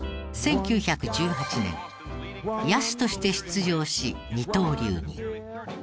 １９１８年野手として出場し二刀流。